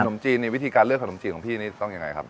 มจีนนี่วิธีการเลือกขนมจีนของพี่นี่ต้องยังไงครับ